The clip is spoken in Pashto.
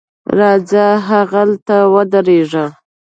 راځه هغلته ودرېږه.